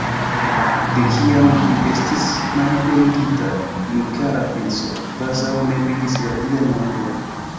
De kiam vi estis malliberigita, mi, kara princo, kvazaŭ ne vidis la Dian mondon!